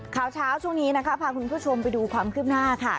ข่าวช่วงนี้พาคุณผู้ชมไปดูความขึ้นหน้า